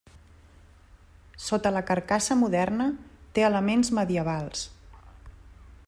Sota la carcassa moderna té elements medievals.